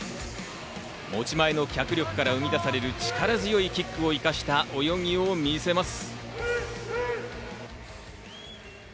持ち前の脚力から生み出される力強いキックを生かした泳ぎを見せます。